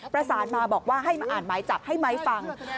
ประสานมาบอกว่าให้มาอ่านหมายจับให้ไม้ฟัง